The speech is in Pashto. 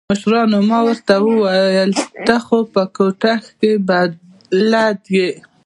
مشرانو ما ته وويل چې ته خو په کوټه کښې بلد يې.